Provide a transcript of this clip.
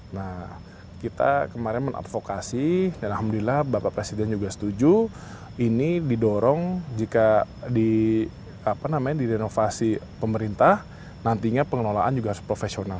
nah kita kemarin mengadvokasi dan alhamdulillah bapak presiden juga setuju ini didorong jika direnovasi pemerintah nantinya pengelolaan juga harus profesional